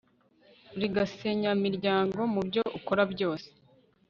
uri gasenyamiryango mubyo ukora byose